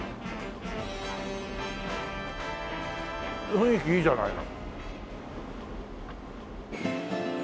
雰囲気いいじゃないの。